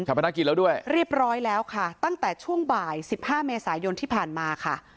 พนักกิจแล้วด้วยเรียบร้อยแล้วค่ะตั้งแต่ช่วงบ่ายสิบห้าเมษายนที่ผ่านมาค่ะ